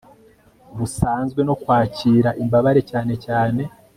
busanzwe no kwakira imbabare cyane cyane